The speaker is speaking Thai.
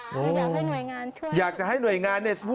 อยากให้หน่วยงานช่วยอยากจะให้หน่วยงานเนี่ย